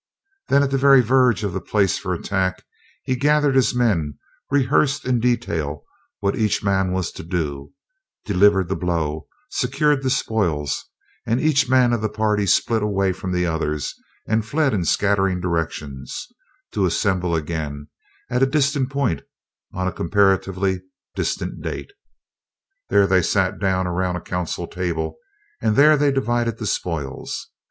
Then, at the very verge of the place for attack, he gathered his men, rehearsed in detail what each man was to do, delivered the blow, secured the spoils, and each man of the party split away from the others and fled in scattering directions, to assemble again at a distant point on a comparatively distant date. There they sat down around a council table, and there they divided the spoils.